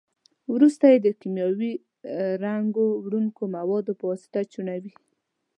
وروسته یې د کیمیاوي رنګ وړونکو موادو په واسطه چاڼوي.